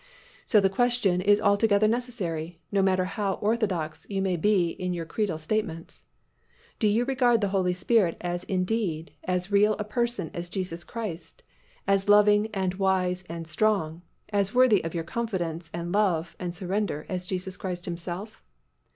So the question is altogether necessary, no matter how orthodox you may be in your creedal statements, Do you regard the Holy Spirit as indeed as real a Person as Jesus Christ, as loving and wise and strong, as worthy of your confidence and love and surrender as Jesus Christ Himself?